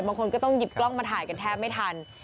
บางคนก็ต้องหยิบกล้องมาถ่ายกันแทบไม่ทัน